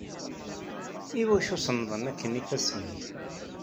Iwacu smaḍen akken yifassen-ik?